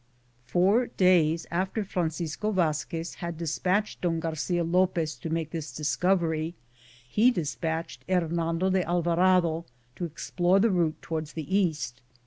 Four days after Francisco Vazquez had dispatched Don Garcia Lopez to make this discovery, he dispatched Hernando de Al varado to explore the route toward the east.